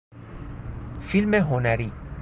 فیلم هنری